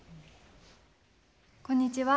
こんにちは。